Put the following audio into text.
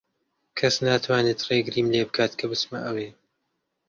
کەس ناتوانێت ڕێگریم لێ بکات کە بچمە ئەوێ.